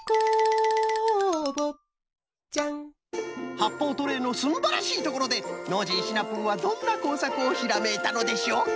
はっぽうトレーのすんばらしいところでノージーシナプーはどんなこうさくをひらめいたのでしょうか？